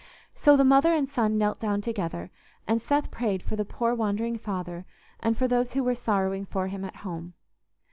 So the mother and son knelt down together, and Seth prayed for the poor wandering father and for those who were sorrowing for him at home.